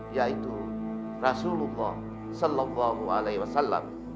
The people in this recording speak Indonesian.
yaitu rasulullah saw